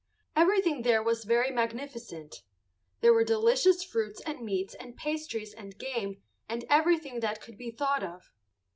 Everything there was very magnificent. There were delicious fruits and meats and pastries and game and everything that could be thought of.